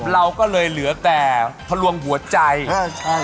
เราก็เลยเหลือแต่พลังหัวใจเออใช่